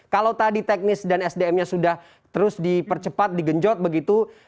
kalau tadi teknis dan sdm nya sudah terus dipercepat digenjot begitu